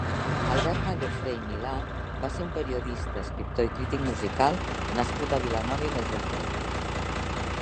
Albert Mallofré i Milà va ser un periodista, escriptor i crític musical nascut a Vilanova i la Geltrú.